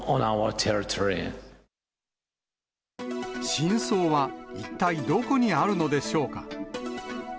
真相は、一体どこにあるのでしょうか。